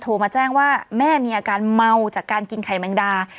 โทรมาแจ้งว่าแม่มีอาการเมาจากการกินไข่แมงดา